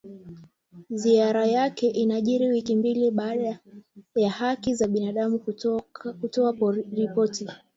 Ziara yake inajiri wiki mbili baada ya haki za binadamu kutoa ripoti